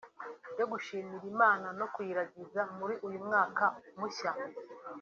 yo gushimira Imana no kuyiragiza muri uyu mwaka mushya